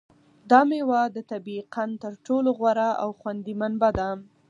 دا مېوه د طبیعي قند تر ټولو غوره او خوندي منبع ده.